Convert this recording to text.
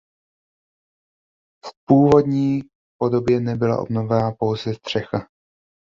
V původní podobě nebylo obnovena pouze střecha.